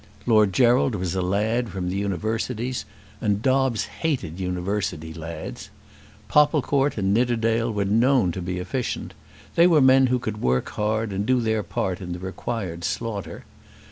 Lord Gerald was a lad from the Universities; and Dobbes hated University lads. Popplecourt and Nidderdale were known to be efficient. They were men who could work hard and do their part of the required slaughter.